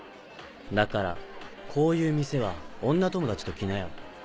だからこういう店は女友達と来なよ。